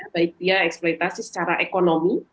baik dia eksploitasi secara ekonomi